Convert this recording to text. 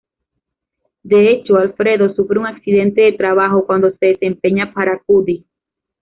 De hecho Alfredo sufre un accidente de trabajo cuando se desempeña para Cuddy.